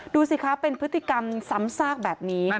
ดูสิคะเป็นพฤติกรรมซ้ำซากแบบนี้